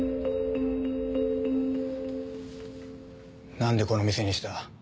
なんでこの店にした？